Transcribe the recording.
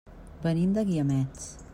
Venim dels Guiamets.